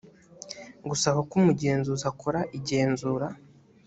gusaba ko umugenzuzi akora igenzura